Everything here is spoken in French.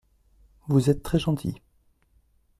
Vous êtes très gentil.